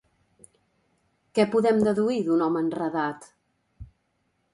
Què podem deduir d'un home enredat?